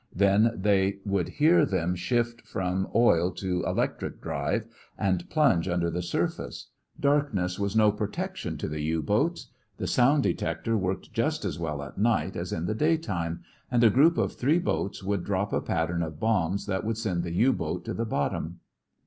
Then they would hear them shift from oil to electric drive and plunge under the surface. Darkness was no protection to the U boats. The sound detector worked just as well at night as in the daytime and a group of three boats would drop a pattern of bombs that would send the U boat to the bottom.